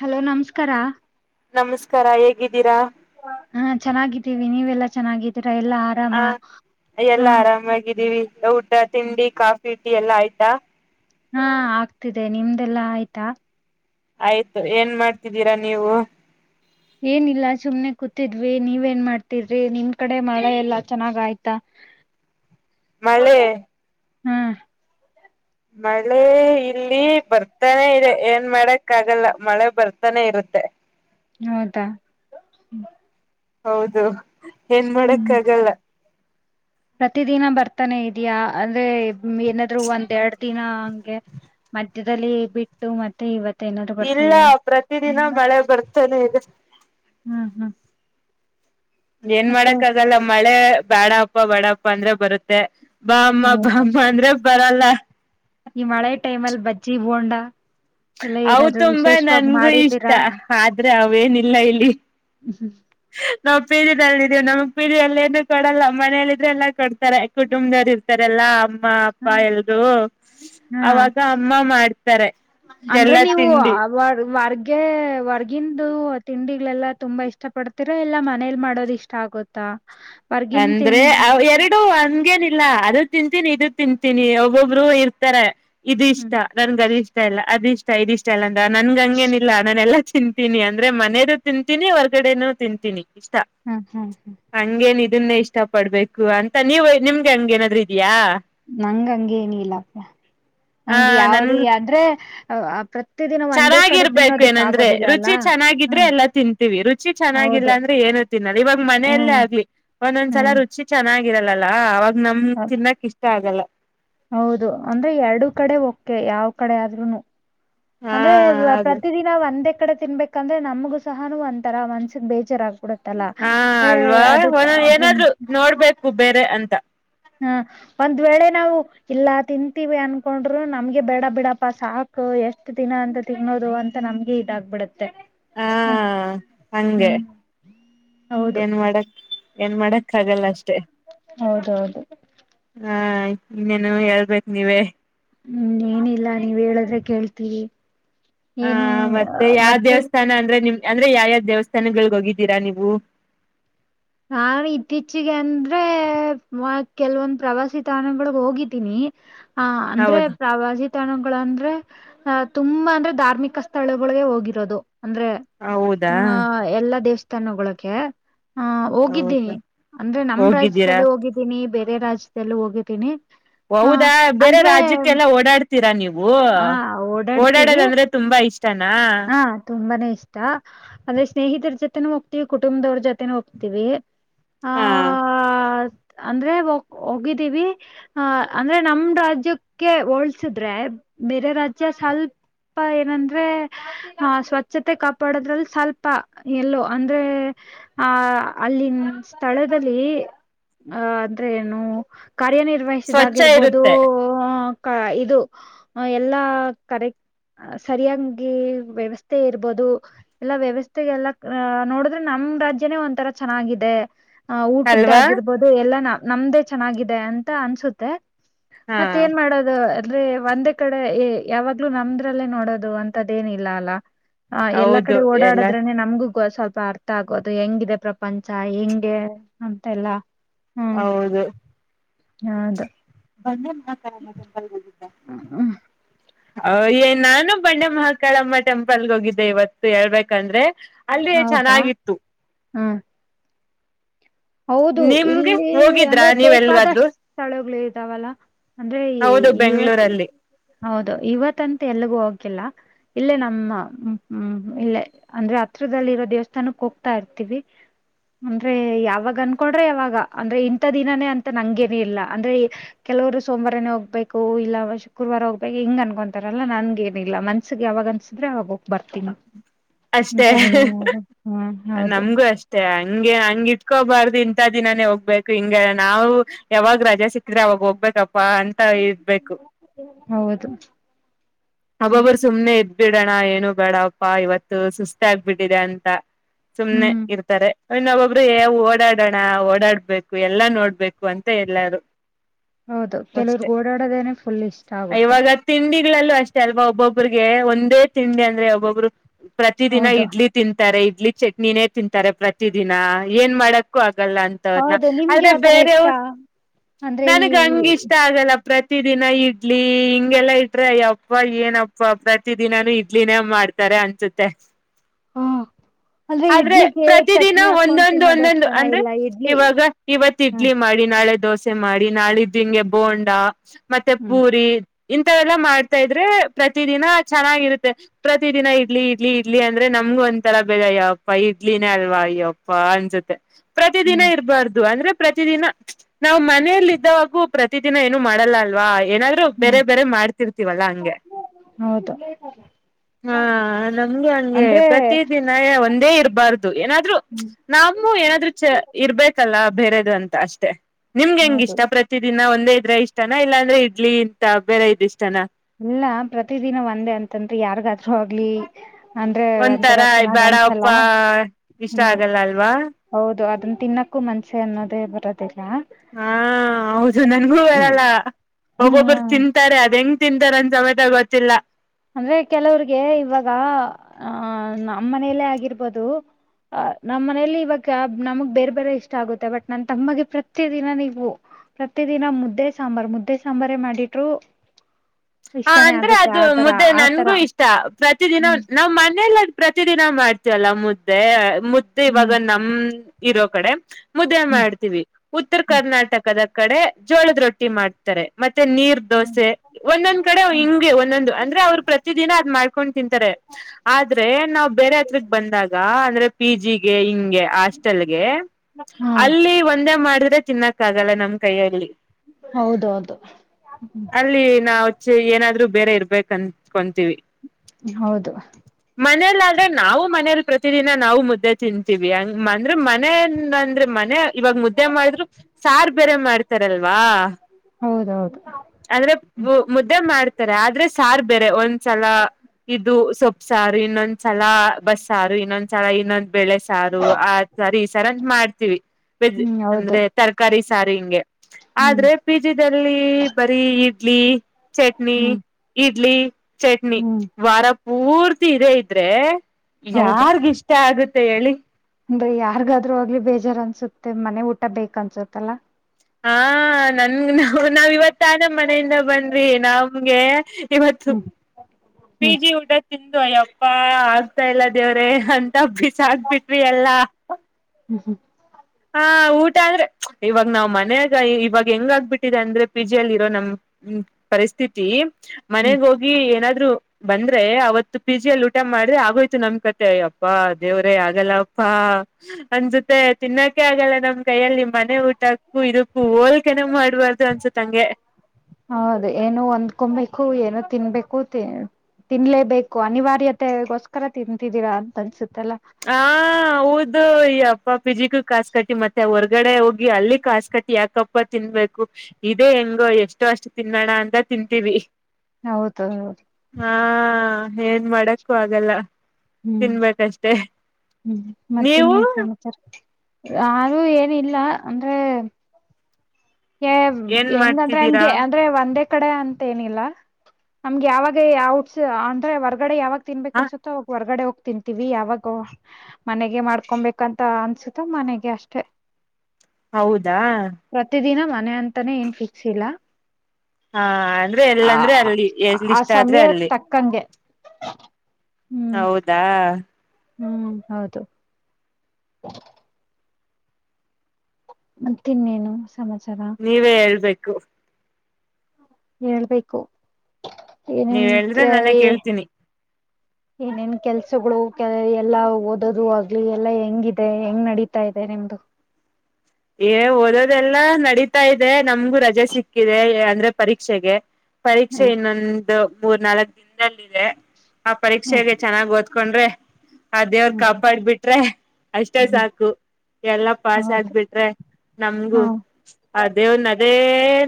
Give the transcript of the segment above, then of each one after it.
Hello ನಮಸ್ಕಾರ್ ನಮಸ್ಕಾರ ಹೇಗಿದ್ದೀರಾ ಹಾ ಚೆನ್ನಾಗಿದ್ದೀವಿ ನೀವೆಲ್ಲಾ ಚೆನ್ನಾಗಿ ಹ ಎಲ್ಲಾ ಆರಾಮಾಗಿದ್ದೀವಿ ಊಟ ತಿಂಡಿ ಕಾಫಿಟೀ ಎಲ್ಲಾ ಆಯ್ತಾ ಹಾ ಆಗ್ತಿದೆ ನಿಮ್ದೆಲ್ಲಾ ಆಯ್ತಾ ಆಯ್ತು ಏನ್ ಮಾಡ್ತಿದ್ದೀರಾ ನೀವು ಏನಿಲ್ಲ ಸುಮ್ಮನೆ ಕೂತಿದ್ವಿ ನೀವ ಎನ್ ಮಾಡ್ತರ್ರಿ ನಿಮ್ ಕಡೆ ಮಳೆ ಎಲ್ಲಾ ಚೆನ್ನಾಗ್ ಆಯ್ತಾ ಹ [inaudible] ಮಳೆ ಹ್ಮ್ ಮಳೆ ಇಲ್ಲಿ ಬರ್ತಾನೆ ಇದೆ ಏನ್ ಮಾಡಕ್ ಕ್ಕ ಆಗಿಲ್ಲಾ ಮಳೆ ಬರ್ತಾನೆ ಇರುತ್ತೆ ಹೌದಾ ಹೌದು ಏನ್ ಮಾಡಕ್ಕ ಆಗಲ್ಲ ಪ್ರತಿ ದಿನ ಬರ್ತಾನೆ ಇದಯಾ ಅಂದ್ರೆ ಏನಾದ್ರು ಒಂದ್ ಎರಡ್ ದಿನ ಮಧ್ಯದಲ್ಲಿ ಬಿಟ್ಟು ಮತ್ತೆ ಇವತ್ತು ಇಲ್ಲ ಪ್ರತಿದಿನ ಮಳೆ ಬರ್ತಾನೆ ಇದೆ ಹ್ಮ್ ಹ್ಮ್ ಏನ್ ಮತ್ತೆ ಮಾಡಕ್ ಆಗಲ್ಲ ಮಳೆ ಬ್ಯಾಡ ಹಪ್ಪ ಬೇಡ ಹಪ್ಪ ಅಂದ್ರೆ ಬರುತ್ತೆ ಬಾ ಅಮ್ಮ ಬಾ ಅಮ್ಮ ಅಂದ್ರೆ ಬರಲ್ಲ ಈ ಮಳೆ ಟೈಮ ಅಲ್ಲಿ ಬಜ್ಜಿ ಬೋಂಡ ಎಲ್ಲ ಅವು ಏನಾದ್ರು ತುಂಬಾ ವಿಶೇಷವಾಗಿ ನನ್ಗೂ ಇಷ್ಟ ಮಾಡಿದ್ದೀರಾ ಆದ್ರೆ ಅವೇನಿಲ್ಲ ಇಲ್ಲಿ ಹ್ಮ್ಮ್ಹ ನಾವ್ ಪೀಜಿಲ್ಲ ಇದೀವಿ ನಮ್ಗ್ ಪೀಜಿಲ್ಲ ಏನು ಕೊಡಲ್ಲ ಮನಲ್ಲ ಇದ್ರೆ ಎಲ್ಲಾ ಕೊಡ್ತಾರೆ ಕುಟುಂಬದವರು ಇರ್ತಾರೆಲ್ಲಾ ಅಮ್ಮ ಅಪ್ಪ ಎಲ್ದು ಹಾ ಅವಾಗ ಅಮ್ಮ ಮಾಡ್ತಾರೆ ಅಂದ್ರೆ ಎಲ್ಲ ನೀವು ತಿಂಡಿ ವಾರ್ ಗೆ ಹೊರ್ಗಿಂದು ತಿಂಡಿಗ್ಗಳೆಲ್ಲಾ ತುಂಬಾ ಇಷ್ಟ ಪಡ್ತಿರಾ ಇಲ್ಲಾ ಮನೇಲಿ ಮಾಡೋದ ಇಷ್ಟ ಆಗುತ್ತಾ ಹೊರ್ಗಿನ್ ಅಂದ್ರೆ ತಿಂಡಿ ಎರಡು ಅಂ ನಿಲ್ಲ ಅದು ತಿಂತೀನಿ ಇದು ತಿಂತೀನಿ ಒಬ್ಬೊಬ್ರು ಇರ್ತಾರೆ ಇದು ಇಷ್ಟ ಹ್ಮ್ ನನ್ಗ ಅದು ಇಷ್ಟ ಇಲ್ಲ ಅದು ಇಷ್ಟ ಇದ ಇಷ್ಟ ಇಲ್ಲ ಅಂದ ನನ್ಗ ಹಂಗೇನಿಲ್ಲ ನಾನಲ್ಲ ತಿಂ ತಿಂತೀನಿ ಅಂದ್ರೆ ಮನೇದು ತಿಂತೀನಿ ಹೊರ್ಗಡೆನು ತಿಂತೀನಿ ಇಷ್ಟ ಹ್ಮ್ ಹ್ಮ್ ಹಂಗೇನ ಅನ್ನೇ ಇಷ್ಟ ಪಡ್ಬೇಕು ಅಂತ ನೀವು ನಿಮ್ಗೆ ಹಂಗ ಏನಾದ್ರೂ ಇದ್ಯಾ ನಂಗ ಹಂಗ ಏನ ಇಲ್ಲ ಹ ಹಂಗಗೆ ಯಾವ್ದ ನನ್ಗ ಆದ್ರೆ ಚೆನ್ನಾಗಿರ್ಬೇಕು ಏನಂದ್ರೆ ಅಲ್ಲ ರುಚಿ ಚೆನ್ನಾಗಿದ್ರೆ ಹ್ಮ್ ಎಲ್ಲಾ ತಿಂತೀವಿ ರುಚಿ ಚೆನ್ನಾಗಿಲ್ಲ ಹೌದು ಅಂದ್ರೆ ಏನ್ ತಿನ್ನ ಇವಾಗ ಮನೆಯಲ್ಲೇ ಹ್ಮ್ ಆಗ್ಲಿ ಒಂದೊಂದ್ಸಲ ರುಚಿ ಚೆನ್ನಾಗಿರಲ್ಲಲ್ಲ ಅವ ಹ ಹೌದು ಅಂದ್ರೆ ಎರಡು ಕಡೆ ಹೋಗ್ ಯಾವ್ ಕಡೆ ಅದ್ರೊನು ಹಾ ಅಂದ್ರೆ ಅದು ಪ್ರತಿದಿನ ಒಂದೇ ನಮ್ಮ್ ಕಡೆ ತಿನ್ಬೇಕಂದ್ರೆ ನಮಗೂ ಸಹನು ಒಂತರ ಮನಸಿಗೆ ಬೇಜಾರಗು ಹಾ ಅಲ್ವಾ ಒ ಅದ್ರ ಏನಾದ್ರು ನೋಡ್ಬೇಕು ಬೇರೆ ಅಂತ ಹ್ಮ ಒಂದ್ ವೇಳೆ ನಾವು ಇಲ್ಲಾ ತಿಂತೀವಿ ಅನ್ಕೊಂಡ್ರು ನಮ್ಗೆ ಬೇಡ ಬಿಡಪ ಸಾಕು ಎಷ್ಟು ದಿನ ಅಂತ ತಿನ್ನೋದು ಅಂತ ನಮ್ಗೆ ಇದು ಆಗಬಿಡುತ್ತೆ ಹಾ ಹಂಗೆ ಹ್ಮ್ ಹೌದು ಏನ್ ಮಾಡ ಏನ್ ಮಾಡಕ್ಕ ಆಗಲ್ಲ ಅಷ್ಟ ಹೌದು ಹೌದು ಹಾ ಇನ್ನೇನು ಎಳ್ಬೇಕು ನೀವೇ ಹ್ಮ್ ಏನಿಲ್ಲಾ ನೀವ್ ಹೇಳದ್ರೆ ಕೇಳ್ತೀವಿ ಏನ್ ಹ ಮತ್ತೆ ಯಾವ ಮತ್ತ ದೇವಸ್ಥಾನ ಅಂದ್ರೆ ನಿಮ್ ಅಂದ್ರೆ ಯಾವ್ಯಾವ ದೇವಸ್ಥಾನಗಳಿಗೆ ಹೋಗಿದ್ದೀರಾ ನೀವು ನಾನು ಇತ್ತೀಚಿಗೆ ಅಂದ್ರೆ ಮ ಕೆಲವೊಂದ ಪ್ರವಾಸಿ ತಾಣಗಳಗ್ ಹೋಗಿದ್ದೀನಿ ಹ ಅಂದ್ರೆ ಹೌದು ಪ್ರವಾಸಿ ಉದ್ಯನಗಳಂದ್ರೆ ತುಂಬಾ ಅಂದ್ರೆ ಧಾರ್ಮಿಕ ಸ್ಥಳಗಳಿಗೆ ಹೋಗಿರೋದು ಅಂದ್ರೆ ಹೌದಾ ಹ ಎಲ್ಲಾ ದೇವಸ್ಥಾನಗಳುಕೆ ಹ ಹೋಗಿದ್ದೀನಿ ಹೌದು ಅಂದ್ರೆ ನಮ್ ಹೋಗಿದ್ದೀರಾ ರಾಜ್ಯದಲ್ಲೂ ಹೋಗಿದ್ದೀನಿ ಬೇರೆ ರಾಜ್ಯದಲ್ಲೂ ಹೋಗಿದ್ದೀನಿ ಒ ಹ ಹೌದಾ ಬೇರೆ ಅಂದ್ರೆ ರಾಜ್ಯಕ್ಕೆಲ್ಲಾ ಓಡಾಡ್ತೀರಾ ನೀವ್ ಓ ಹ ಓಡಾಡೋಡದು ಅಂದ್ರೆ ತುಂಬಾ ಇಷ್ಟ ಹಾ ತುಂಬಾನೇ ಇಷ್ಟ ಅದೆ ಸ್ನೇಹಿತರ ಜೊತೆನೂ ಹೋಗತಿವಿ ಕುಟುಂಬದವರ ಜೊತೆನೂ ಹೋಗತಿವಿ ಹಾ ಹಾ ಅಂದ್ರೆ ಹೊ ಹೋಗಿದ್ದೀವಿ ಅ ಅಂದ್ರೆ ನಮ್ಮ ರಾಜ್ಯಕ್ಕೆ ಹೋಳಿಸಿದ್ರೆ ಬೇರೆ ರಾಜ್ಯ ಸ್ವಲ್ಪ ಏನಂ ಹ್ಮ್ ಆ ಸ್ವಚ್ಛತೆ ಕಾಪಾಡದ್ರಲ್ಲಿ ಸ್ವಲ್ಪ ಎಲ್ಲೋ ಅಂದ್ರೆ ಆ ಅಲ್ಲಿ ನಮ್ಮ ಸ್ಥಳದಲ್ಲಿ ಅ ಅಂದ್ರೆ ಏನು ಸ್ವಚ್ಛ ಕಾರ್ಯನಿರ್ವಹಿಸಿದಾಗಿರ್ಬೋದು ಇರುತ್ತೆ ಹು ಕ ಇದು ಎಲ್ಲಾ ಕರೆಕ್ ಸ್ ಸರಿಯಾಗ್ಗಿ ವ್ಯವಸ್ಥೆ ಇರಬಹದು ಎಲ್ಲ ವ್ಯವಸ್ಥೆಲ್ಲ ನೋಡಿದ್ರೆ ನಮ್ಮ್ ರಾಜ್ಯ ಏನೋ ಒಂತರ ಚೆನ್ನಾಗಿದೆ ಆ ಊಟದ್ದ ಅಲ್ವಾ ಆಗಿರ್ಬೋದು ಎಲ್ಲಾನ ನಮ್ದೇ ಚೆನ್ನಾಗಿದೆ ಅಂತ ಅನ್ಸುತ್ತೆ ಹಾ ಮತ್ತೆ ಏನ್ ಮಾಡೋದು ಅಂದ್ರೆ ಒಂದೇ ಕಡೆ ಎ ಯಾವಾಗ್ಲೂ ನಮ್ ದ್ರಲ್ಲೇ ನೋಡೋದು ದು ಅಂತದ್ ಏನಿಲ್ಲ ಅಲ್ಲ ಎಲ್ಲಾ ಹೌದು ಕಡೆ ಎಲ್ಲ ಓಡಾಡದ್ರನೆ ನಮಗು ಸ್ವಲ್ಪ ಅರ್ಥ ಆಗೋದು ಹೆಂಗಿದೆ ಪ್ರಪಂಚ ಹೆಂಗೆ ಅಂತೆಲ್ಲ ಹೌದು ಹಾ ದು ಬಂಡಿ ಮಹಾಕಾಳಮ್ಮ ಟೆಂಪಲ್ ಹೋಗಿ ಹಾ ಹ್ಮ ಅ ಏ ನಾನು ಬಂಡೆ ಮಹಾಕಾಳಮ್ಮ ಟೆಂಪಲ್ಗೆ ಹೋಗಿದ್ದೆ ಇವತ್ತು ಹೇಳ್ಬೇಕಂದ್ರೆ ಅಲ್ಲಿ ಚೆನ್ನಾಗಿತ್ತು ಹು ಹೌದು ನಿಮ್ಗೆ ಇಲ್ಲಿ ಹೋಗಿದ್ರಾ ಅಂದ್ರೆ ನೀವ್ ಎಲ್ಗಾದ್ರು ಬೇಕಾದಷ್ಟು ಸ್ಥಳಗಳು ಇದ್ದಾವಲ್ಲ ಅಂದ್ರೆ ಹೌದು ಈ ಇವತ್ ಬೆಂಗ್ಗಳೂರಲ್ಲಿ ಹೌದು ಇವತಂತ್ತು ಎಲ್ಗೂ ಹೋಗಕಿಲ್ಲ ಇಲ್ಲೇ ನಮ್ಮ ಹ್ಮ್ ಹ್ಮ್ ಇಲ್ಲೇ ಅಂದ್ರೆ ಹತ್ರದಲ್ಲಿ ಇರೋ ದೇವಸ್ಥಾನಕ್ಕೆ ಹೋಗ್ತಾ ಇರ್ತೀವಿ ಅಂದ್ರೆ ಯಾವಾಗ್ ಅನ್ಕೊಂಡ್ರೆ ಯಾವಾಗ ಅಂದ್ರೆ ಇಂತ ದಿನಾನೇ ಅಂತ ನಂಗಗೆೇನ್ ಇಲ್ಲ ಅಂದ್ರೆ ಕೆಲವರು ಸೋಮವಾರನೇ ಹೋಗ್ಬೇಕು ಹ ಇಲ್ಲ ಶುಕ್ರವಾರ ಹೋಗ್ಬೇಕ ಹಿಂಗ ಅನ್ಕೊಂತಾರಲ್ಲ ನನ್ಗ ಏನಿಲ್ಲ ಮನ್ಸಿಗೆ ಅವಾಗ ಅನ್ಸಿದ್ರೆ ಅವಾಗ ಹೋಗ್ ಬರ್ತೀನಿ ಅಷ್ಟೇ ಇಂಥ ದಿನ ಹ್ಮ್ ಹೌದು ನಮ್ಗೂ ಅಷ್ಟೇ ಹಂಗೆ ಹಂಗ್ ಇಟ್ಕೋಬಾರ್ದು ಇಂಥ ದಿನಾನೇ ಹೋಗ್ಬೇಕು ಹಿಂಗ ನಾವು ಯಾವಾಗ ರಜಾ ಸಿಕದ್ರೆ ಅವಾಗ ಹೋಗ್ಬೇಕ್ ಪ್ಪಾ ಅಂತ ಇರ್ಬೇಕು ಹೌದು ಒಬ್ಬೊಬ್ಬರು ಸುಮನೆ ಇದದ್ಬಿಡಣ ಏನು ಬೇಡಪ್ಪಾ ಇವತ್ತು ಸುಸ್ತ್ ಆಗ್ಬಿಟ್ಟಿದೆ ಅಂತ ಸುಮ್ನೆ ಹ್ಮ್ ಇರ್ತಾರೆ ಇನ್ನೊಬ್ಬೊಬ್ರು ಯ ಓಡಾಡೋಣ ಓಡಾಡ್ಬೇಕು ಎಲ್ಲಾ ನೋಡ್ಬೇಕು ಅಂತ ಎಲ್ಲಾರು ಹೌದು ಅಷ್ಟೆ ಕೆಲವ್ರ ಓಡಾಡೋದೇನೆ ಫುಲ್ ಇಷ್ಟ ಆಗುತ್ತೆ ಇವಾಗ [unintelligible] ಅಷ್ಟೇ ಅಲ್ವಾ ಒಬ್ಬೊಬ್ಬ್ರಿಗೆ ಒಂದೇ ತಿಂಡಿ ಅಂದ್ರೆ ಒಬ್ಬೊಬ್ರು ಪ್ರತಿ ದಿನ ಹೌದು ಇಡ್ಲಿ ತಿಂತಾರೆ ಇಡ್ಲಿ ಚಟ್ನಿನೇ ತಿಂತಾರೆ ಪ್ರತಿದಿನ ಏನ್ ಮಾಡಕ್ಕು ಆ ಲ್ಲ ಅಂತವ್ರನ್ನ ಹೌದು ನಿಮ್ಗೆ ಆದ್ರೆ ಯಾವತರ ಇಷ್ಟ ಬೇರೆವ್ ಅಂದ್ರೆ ಈ ನನಗ್ ಹಂಗ್ ಇಷ್ಟ ಆಗಲ್ಲ ಪ್ರತಿ ದಿನ ಇಡ್ಲಿ ಹಿಂಗೆಲ್ಲಾ ಇಟ್ರೆ ಯಪ್ ಅಪ್ಪ ಏನಪ್ಪಾ ಪ್ರತಿದಿನಾನೂ ಇಡ್ಲಿನೇ ಮಾಡ್ತಾರೆ ಅನ್ಸುತ್ತೆ ಹಾ ಅಂದ್ರೆ ಆದ್ರೆ ಇಡ್ಲಿಗೆ ಪ್ರತಿದಿನ ಚಟ್ನಿ ಹಾಕೊಂಡ್ ಒಂದೊಂದು ತಿನ್ನೋದಷ್ಟು ಒಂದೊಂದು ಚೆನ್ನ ಅಂದ್ರೆ ಇಲ್ಲ ಇಡ್ಲಿ ಇವಾಗ ಇವತ್ ಹ್ಮ್ ಇಡ್ಲಿ ಮ ಗಡಿ ನಳೆ ದೋಸ [unintelligible] ಮಾಡಿ ನಾಳಿದ್ದಂಗೆ ಬೋಂಡಾ ಮತ್ತೆ ಹ್ಮ್ ಪೂರಿ ಇಂತವಲ್ಲ ಮಾಡ್ ಇದ್ರೆ ಪ್ರತಿ ದಿನ ಚೆನ್ನಾಗಿರುತ್ತೆ ಪ್ರತಿ ಇಡ್ಲಿ ಇಡ್ಲಿ ಇಡ್ಲಿ ಅಂದ್ರೆ ನಮ್ಗು ಒಂತರ ಬೇಜಾರ್ ಅಯ್ಯಪ್ಪ ಇಡ್ಲಿನ ಅಲ್ವಾ ಅಯ್ಯಪ್ಪ ಅನ್ಸೊತೆ ಪ್ರತಿದಿನ ಹ್ಮ್ ಇರಬಾರ್ದು ಅಂದ್ರೆ ಪ್ರತಿದಿನ ನಾವು ಮನೆಯಲ್ಲಿ ಇದ್ದವಾಗೂ ಪ್ರತಿದಿನ ಏನು ಮಾಡಲ್ಲ ಅಲ್ವಾ. ಏನಾದ್ರು ಹ್ಮ್ ಬೇರೆ ಬೇರೆ ಮಾಡ್ತಿವಿ. ಹೌದು. ಹಾ ನಮ್ಗೆ ಹಂಗೆ ಅಂದ್ರೆ ಪ್ರತಿ ದಿನ ಒಂದೇ ಇರ್ಬಾರ್ದು ಏನಾದ್ರು ಹ್ಮ್ ನಮ್ಮು ಏನಾದ್ರುೂ ಚ ಇರ್ಬೇಕಲ್ಲ ಬೇರೆದು ಅಂತ ಅಷ್ಟೇ ನಿಮ್ಗೆ ಹೆಂಗ್ ಹೌದು ಇಷ್ಟ ಪ್ರತಿದಿನ ಒಂದ್ ಇದ್ರೆ ಇಷ್ಟಾನ ಇಲ್ಲಾಂದ್ರೆ ಇಡ್ಲಿ ಇಂತ ಬೇರೆ ಇದ್ ಇಷ್ಟನ ಇಲ್ಲ ಪ್ರತಿದಿನ ಒಂದೇ ಅಂತತ್ ಯಾರ್ಗಾದ್ರು ಆಗ್ಲಿ ಅಂದ್ರೆ ಒಂಥರ ಚೆನ್ನಾಗ್ ಅನ್ಸಲ್ಲ ಇಷ್ಟ ಹ್ಮ ಆಗಲ್ಲ ಅಲ್ವಾ ಹೌದು ಅದ ತಿನ್ನಕ್ಕೂ ಮನ್ಸೆ ಅನ್ನೋದೇ ಬರೋದಿಲ್ಲ ಹಾ ಹೌದು ನನ್ಗೂ ಬರಲ್ಲ ಹ್ಮ್ ಒಬ್ಬೊಬ್ಬರು ಹ್ಮ್ ತಿಂತಾರೆ ಅದೆಂಗ್ ತಿಂತಾರೆಂದ ಸಮೇತ ಗೊತ್ತಿಲ್ಲ ಅಂದ್ರೆ ಕೆಲವ್ರಿಗೆ ಇವಾಗ ಅಹ ನಮ್ಮ ಮನೇಲ್ಲೇ ಆಗಿರ್ಬೋದು. ಆ ನಮ್ಮ ಮನೆಯಲ್ಲಿ ಇವಾಗ ನಮಗ್ ಬೇರೆ ಬೇರೆ ಇಷ್ಟ ಆಗುತ್ತೆ ಬಟ್ ನನ್ ತಮ್ಮಗೆ ಪ್ರತ ದಿನ ನೀವು. ಪ್ರತಿದಿನ ಮುದ್ದೆ ಸಾಂಬಾರು ಮುದ್ದೆ ಸಾಂಬಾರೆ ಮಾಡಿಟ್ರು. ಹ ಇಷ್ಟಾನೇ ಅಂದ್ರೆ ಆಗುತ್ತೆ ಅದು ಮೂ ಆತರ ಮುದ್ದೆ ಆತರ ನನ್ಗೂ ಇಷ್ಟ ಪ್ರತಿದಿನ ಹ್ಮ್ ನಾವ್ ಮನೆಯಲ್ಲ ಪ್ರತ ದಿನ ಮಾಡ್ತೀವಲ್ಲ ಮುದ್ದೆ. ಮುದ್ದೆ ಇವಾಗ ಹ್ಮ್ ನಮ ಇರೋ ಕಡೆ ಮುದ್ದೆ ಹ್ಮ್ ಮಾಡ್ತೀವಿ ಉತ್ತರ ಹ್ಮ್ ಕರ್ನಾಟಕದ ಕಡೆ ಜೋಳದ ರೊಟ್ಟಿ ಮಾಡ್ತಾರೆ ಮತ್ತೆ ನೀರ್ ದೋಸೆ ಹ್ಮ್ ಒಂದೊಂದ. [unintelligible] ಹಿಂಗೆ ಒಂದೊಂದು ಅಂದ್ರೆ ಅವ್ರು ಪ್ರತ ದಿನ ಅದ್ ಮಾಡ್ಕೊಂಡ್ ತಿಂತಾರೆ ಆದ್ರೆ ನಾವ್ ಬೇರೆ ಹತ್ರದ. ಬಂದಾಗ. ಅಂದ್ರೆ ಪಿ ಜಿಗೆ ಹಿಂಗೆ ಹಾಸ್ಟೆಲ್ಗೆ ಹಾ ಅಲ್ಲಿ ಒಂದೇ ಮಾಡಿದ್ರೆ ತಿನ್ನಕ್. ಕ್ಕಗಲ್ಲ ನಮ್ ಕೈಯಲ್ಲಿ ಹೌದೌದು ಅಲ್ಲಿ ನಾವು. ಛೆ ಏನಾದ್ರು ಬೇರೆ ಇರ್ಬೇಕ ಅನ್ಕೊಂತೀವಿ. ಹೌದು ಮನೇೆಯಲ್ಲಿ ಆದ್ರೆ ನಾವು ಮನೇೆಯಲ್ಲಿ ಪ್ರತಿದಿನ. ನಾವು ಮುದ್ದೆ ತಿಂತೀವಿ ಹಂಗ ಅಂದ್ರು ಮನಂದ ಅಂದ್ರೆ ಮನೆ ಇವಾಗ ಮುದ್ದೆ ಮಾಡಿದ್ರು ಸಾರ ಬೇರೆ ಮಾಡ್ತಾರಲ್ವಾ. ಹೌದೌದು ಅಂದ್ರೆ ಹ್ಮ್ ಪು ಮುದ್ದೆ ಮಾಡ್ತಾರೆ ಆದ್ರೆ ಸಾರ್ ಬೇರೆ ಒಂದ್ಸಲ ಇದು ಸೊ ಸಾರು ಇನ್ನೊಂದ್ಸಲ ಬಸ್ ಸಾರು ಇನ್ನೊಂದ್ಸಲ ಇನ್ನೊಂದ. ಬೇಳೆ ಸಾರು ಆ ಸಾರ ಈ ಸಾರ ಮಾಡ್ತೀವಿಜ ಹ್ಮ್ ಹೌದು ಅಂದ್ರೆ ತರಕಾರಿ. ಸಾರಿ ಹಿಂಗೆ ಹ್ಮ್ ಆದ್ರೆ ಪೀಜದಲ್ಲಿ ಬರೀ ಇಡ್ಲಿ. ಚಟ್ನಿ ಹ್ಮ್ ಇಡ್ಲಿ ಚಟ್ನಿ ಹ್ಮ್ ವಾರ ಪೂರ್ತಿ ಇದೆ ಇದ್ರೆ. ಹೌದು ಯಾರಿಗೆ ಇಷ್ಟ ಆಗುತ್ತೆ ಹೇಳಿ. ಅಂದ್ರೆ ಯಾರ್ಗಾದ್ೂ ಆಗ್ಲಿ ಬೇಜಾರ್ು ಅನ್ಸುತ್ತೆ ಮನೆ ಊಟ ಬೇಕ ಅನ್ಸುತ್ತಲ್ಲ. ಹಾ ನಂಗ್ ನಾ ನಾವ ಇವತ್ತ. ತಾನ ಮನೆಯಿಂದ ಬಂದ್ವಿ ನಮ್ಗೆ ಇವತ್ತು ಹ್ಮ್ ಪಿ ಹ್ಮ್ ಜಿ ಊಟ ತಿಂದ ಆಯಪ್ಪ ಆಗ್ತಾ ಇಲ್ಲ ದೇವ್ರೆ ಅಂತ ಬಿಸಕ ಬಿಟ್ವಿ ಎಲ್ಲಾ. ಹ್ಮ್ ಹ್ಮ್ ಹಾ ಊಟ ಅಂದ್ರೆ ಇವಾಗ ನಾವ್ ಮನ್ಯಾಗ ಇವಾಗ ಹೆಂಗ ಆಗ್ಬಿಟ್ಟಿದೆ ಅಂದ್ರೆ ಪಿಜಿಯಲ್ಲಿ ಇರೋ ನಮ್ ಹ್ಮ್ ಪರಿಸ್ಥಿತಿ ಹ್ಮ್ ಮನೆಗ್ ಹೋಗಿ ಏನಾದ್. ರು ಬಂದ್ರೆ ಅವತ್ತು ಪಿ ಜಿಯಲ್ಲಿ ಊಟ ಮಾಡ್ರೆ ಆಗೋಯ್ತು ನಮ್ ಕತೆ ಯಪ್ಪಾ ದೇವ್ರೇ ಆಗಲ್ಲ. ಹಾ ಅನ್ಸುತ್ತೆ ತಿನ್ನೋಕೆ ಆಗಲ್ಲ ನಮ ನಮ್ಮ್ ಕೈಯಲ್ಲಿ ಮನೆ ಊಟಕ್ಕೂ ಇದಕ್ಕೂ ಹೋಲ್ಕನೆ ಮಾಡ್ಬಾರ್ದು ಅನ್ಸತ್ ಹಂಗೆ. ಹೌದು ಏನು ಹೊಂದಕೋಬೇಕು ಏನು ತಿನ್ಬೇಕು [unintelligible] ತಿನ್ಲೇಬೇಕು ಅನಿವಾರ್ಯತೆಗೋಸ್ಕರ ತಿಂತಿದ್ದೀರಾ ಅಂತ ಅನ್ಸುತ್ತೆ. ಹಾ ಹೌದೂ. ಅಪ್ಪ ಪಿಜಿಗು ಕಾಸ್ ಕಟ್ಟಿ ಮತ್ತೆ ಹೊರ್ಗಡೆ ಹೋಗಿ ಅಲ್ಲಿ ಕಾಸ್ ಕಟ್ಟಿ ಯಾಕಪ್ಪ ತಿನ್ಬೇಕು ಈ. ಧೆ ಹೆಂಗೋ ಎಷ್ಟು ಅಷ್ಟು ತಿನ್ನೋಣ ಅಂತ ತಿಂತೀವಿ. ಹೌದು. ಹಾ ಏನ್ ಮಾಡಕ್ಕು ಆಗಲ್ಲ ಹ್ಮ್ ತಿನ್ಬೇಕಷ್ಟೆ. ಹ್ಮ್ ಮತ್ತ ನೀವು ಇನ್ನೇನ್ ಸಮಾಚಾರ - ಯಾರು ಏನಿಲ್ಲ ಅಂದ್ರೆ. ಏನ್ ಗೆ ಹೆಂಗಂದ್ರೆ ಮಾಡ್ತಿದ್ದೀರಾ ಹಂಗೆ ಅಂದ್ರೆ ಒಂದೇ - ಕಡೆ ಅಂತ ಏನಿಲ್ಲ ನಮ್ಗೆ ಯಾವಾಗ ಔಟ್ಸ್ ಅಂದ್ರೆ ಹೊರ್ಗಡೆ ಯಾವಾಗ ತಿನ್ಬೇಕ ಹ ಅನ್ಸುತ್ತೆ ಅವಾಗ ಹೊರಗಡೆ ಹೋಗ್ ತಿಂತೀವಿ ಯಾವಾಗ ಮನೆಗೆ ಮಾಡ್ಕೊಬೇಕಂತ ಅನ್ಸುತ್ತ ಮನೆಗೆ ಅಷ್ಟೆ. ಹೌದಾ. ದಿನ ಮನೆ ಅಂತಾನೇ ಏನ್ ಫಿಕ್ಸ್ ಇಲ್ಲ. ಹಾ ಅಂದ್ರೆ ಆ ಎಲ್ಲಂದ್ರೆ ಅಲ್ಲಿ ಎಲ್ಲಿ ಆ ಇಷ್ಟ ಆದ್ರೆ ಸಮಯಕ್ ಅಲ್ಲಿ. ತಕ್ಕಂಗೆ ಹ್ಮ್ ಹೌದಾ. ಹ್ಮ್ ಹೌದು. [inaudible] ಮತ್ತಿನ್ನೇನು ಸಮಾಚಾರ ನೀವೇ ಹೇಳ್ಬೇಕು. ಹೇಳ್ಬೇಕು ನೀವ್ ಹೇಳಿದ್ರೆ ಏನ್ಏನಂತೆ ನಾನೇ ಏ - ಕೇಳ್ತೀನಿ [inaudible] ಇನ್ನೇನ್ ಕೆಲ್ಸಗಳು ಎಲ್ಲಾ ಓದೋದು ಆಗ್ಲಿ ಎಲ್ಲಾ ಹೆಂಗಿದೆ ಹೆಂಗ್ ನಡೀತಾ ಇದೆ ನಿಮ್ದು. ಏ ಓದೋದೆಲ್ಲ ನಡೀತಾ ಇದೆ ನಮ್ಗು ರಜೆ ಸಿಕ್ಕಿದೆ. ಅಂದ್ರೆ ಪರೀಕ್ಷೆಗೆ ಪರೀಕ್ಷೆ ಹ್ಮ್ ಇನ್ನೊಂದು ಮೂರ್ ನಾಲ್ಕ್ ದಿನದಲ್ಲಿದೆ. ಆ ಹ್ಮ್ ಪರೀಕ್ಷೆಗೆ ಚೆನ್ನಾಗ್ ಓದ್ಕೊಂಡ್ರೆ- ಅ ದೇವ್ರ ಹ್ಮ್ ಕಾಪಾಡ್ಬಿಟ್ರೆ ಅಷ್ಟೇ ಹ್ಮ್ ಸಾಕು ಎಲ್ಲಾ ಪಾಸ್ ಹೌದು ಆಗಿಬಿಟ್ಟ. ನಮ್ಗೂ ಹಾ ಆ ದೇವ್ರನ ಅದೇ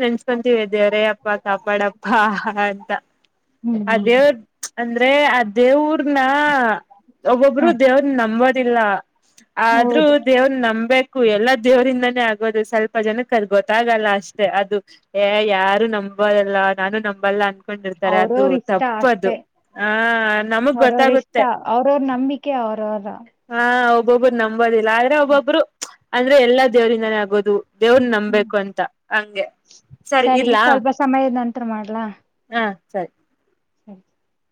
ನೆನ್ಸ್ಕೊಂತೀವಿ ದೇವರೇ ಅಪ್ಪ ಕಾಪಾಡಪ್ಪ. ಹಾ ಹಾ ಅಂತಾ. ಹ್ಮ್ ಅಂದ್ರೆ ಆ ದೇವ್ರನ್ನ ಒಬ್ಬೊಬ್ರು ಹ್ಮ್ ದೇವ್ರನ್ನ ನಂಬೋದಿಲ್ಲ. ಆದ್ರೂ ಹೌದು ದೇವ್ರ್ನ ನಂಬಬೇಕು ಎಲ್ಲ ದೇವರಿಂದಾನೇ ಆಗೋದು ಸ್ವಲ್ಪ ಜನಕ್ಕೆ ಅದು ಗೊತ್ತಾಗಲ್ಲ ಅಷ್ಟೇ ಅದು ಎ ಯಾರು ನಂಬೋದಲ್ಲ. ನಾನು ನಂಬಲ್ಲ ಅನ್ಕೊಂಡಿರ್ತಾರೆ ಅದು ಅವ್ರವ್ರ ಇಷ್ಟ ತಪ್ಪದು. ಅಷ್ಟೇ ಹಾ ನಮಗ್ ಅವ್ರವ್ರ ಇಷ್ಟ ಗೊತ್ತಾಗುತ್ತೆ ಅವ್ರವ್ರ ನಂಬಿಕೆ ಅವ್ರವ್ರ ಹ - ಒಬ್ಬೊಬ್ರು ನಂಬೋದಿಲ್ಲ ಆದ್ರೆ ಒಬ್ಬೊಬ್ಬರು ಅಂದ್ರೆ ಎಲ್ಲಾ ದೇವರಿಂದಾನೇ ಆಗೋದು. ದು ದೇವ್ರ್ನ ಹ್ಮ್ ನಂಬಬೇಕು ಅಂತ ಹಂಗೆ. ಸರಿ ಸ್ವಲ್ಪ ಸಮಯದ ನಂತರ ಮಾಡ್ಲಾ? ಹ ಸರಿ. [unintelligible]